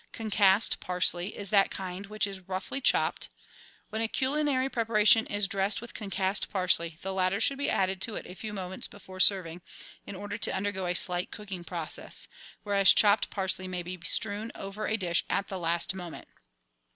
Concussed Parsley is that kind which is roughly chopped. When a culinary preparation is dressed with concussed parsley, the latter should be added to it a few moments before serving, in order to undergo a slight cooking process; whereas chopped parsley may be strewn over a dish at the last moment.